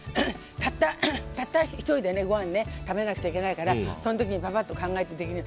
たった１人でごはんを食べなきゃいけないからその時にパパッと簡単にできる。